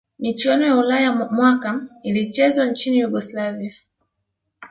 michuano ya ulaya mwaka ilichezwa nchini yugoslavia